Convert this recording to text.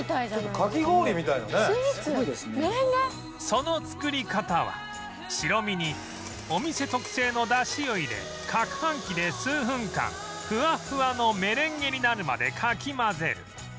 その作り方は白身にお店特製の出汁を入れかくはん機で数分間ふわふわのメレンゲになるまでかき混ぜる